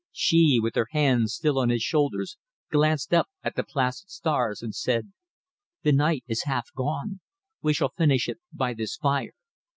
She, with her hands still on his shoulders, glanced up at the placid stars and said "The night is half gone. We shall finish it by this fire.